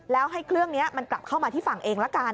แล้วให้เครื่องนี้มันกลับเข้ามาที่ฝั่งเองละกัน